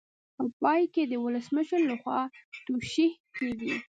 په پای کې د ولسمشر لخوا توشیح کیږي.